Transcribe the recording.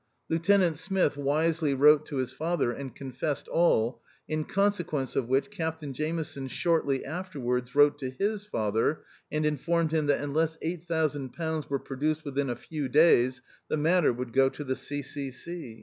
Lieutenant Smith wisely wrote to his father, and confessed all, in consequence of which Captain Jameson shortly afterwards wrote to his father and informed him that unless £8000 were produced within a few days, the matter would go to the C. C. C.